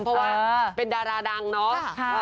เพราะว่าเป็นดาราดังเนาะ